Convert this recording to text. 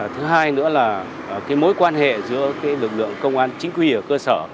thứ hai nữa là mối quan hệ giữa lực lượng công an chính quy ở cơ sở